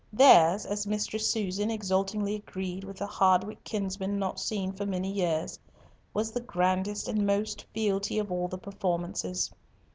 Theirs, as Mistress Susan exultingly agreed with a Hardwicke kinsman not seen for many years, was the grandest and most featly of all the performances.